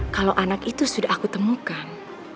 kalau anak itu sudah aku temukan